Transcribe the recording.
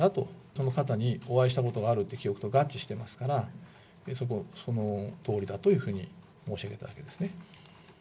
その方にお会いしたことがあるという記憶と合致してますから、そのとおりだというふうに申し上げたわけですね。